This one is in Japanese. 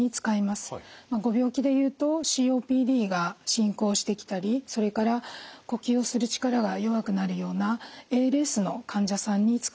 ご病気で言うとＣＯＰＤが進行してきたりそれから呼吸する力が弱くなるようなＡＬＳの患者さんに使います。